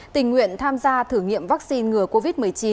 tình nguyện tham gia thử nghiệm vaccine ngừa covid một mươi chín